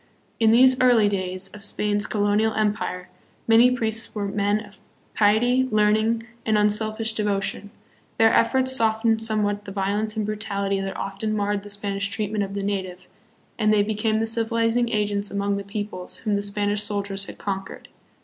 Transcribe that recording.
In these early days of Spain's colonial empire many priests were men of piety, learning, and un selfish devotion. Their efforts softened somewhat the vio lence and brutality that often marred the Spanish treatment of the native, and they became the civilizing agents among the peoples whom the Spanish soldiers had conquered.